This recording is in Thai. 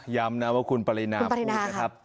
ย้ำนะว่าคุณปรินานะครับ